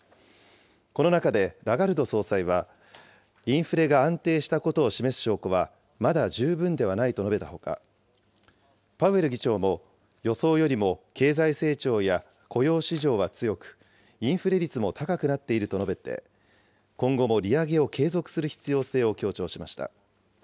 この中でラガルド総裁は、インフレが安定したことを示す証拠はまだ十分ではないと述べたほか、パウエル議長も予想よりも経済成長や雇用市場は強く、インフレ率も高くなっていると述べて、今後も利上げを継続する必要性を強調しました。